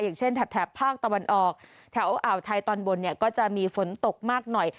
อย่างเช่นแถบภาคตะวันออกแถวอ่าวไทยตอนบนเนี่ยก็จะมีฝนตกมากหน่อย